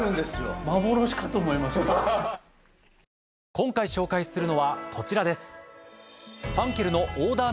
今回紹介するのはこちらです。